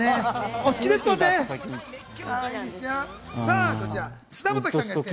お好きですもんね？